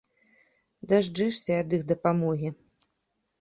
Дажджэшся ад іх дапамогі.